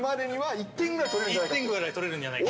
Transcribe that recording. １点ぐらい取れるんじゃないか。